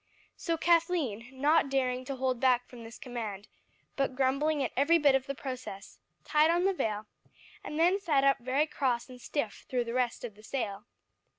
So Kathleen, not daring to hold back from this command, but grumbling at every bit of the process, tied on the veil, and then sat up very cross and stiff through the rest of the sail.